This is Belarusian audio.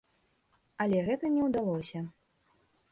Але гэта не ўдалося.